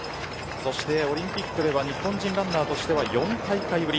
オリンピックでは日本人ランナーとして４大会ぶり。